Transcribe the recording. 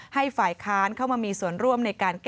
ให้ฝ่ายค้านเข้ามีสวนร่วมในการ